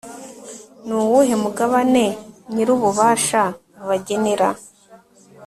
ni uwuhe mugabane nyir'ububasha abagenera